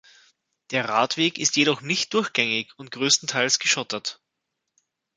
Der Radweg ist jedoch nicht durchgängig und größtenteils geschottert.